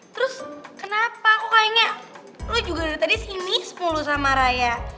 terus kenapa kok kayaknya lo juga dari tadi sinis mulu sama raya